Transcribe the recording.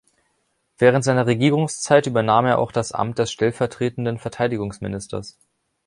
Während seiner Regierungszeit übernahm er auch das Amt des stellvertretenden Verteidigungsministers.